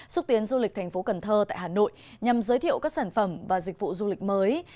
xúc tiến du lịch thành phố cần thơ tại hà nội nhằm giới thiệu các sản phẩm và dịch vụ du lịch mới